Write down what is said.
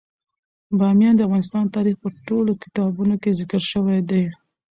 بامیان د افغان تاریخ په ټولو کتابونو کې ذکر شوی دی.